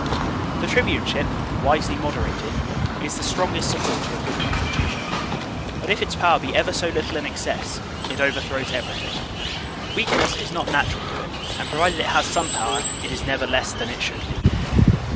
The tribuneship, wisely moderated, is the strongest sup port of a good constitution; but if its power be ever so little in excess, it overthrows everything. Weakness is not natural to it; and provided it has some power, it is never less than it should be.